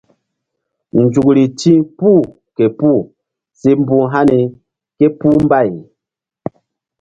Nzukri ti̧h puh ke puh si mbu̧h hani ké puh mbay.